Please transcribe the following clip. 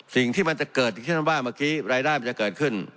สิ่งที่มันจะเกิดเชื้อบ้างเมื่อกี้รายได้มันจะเกิดขึ้น